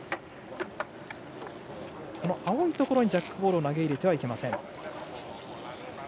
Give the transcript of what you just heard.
青いところにジャックボールを投げ入れてはいけません。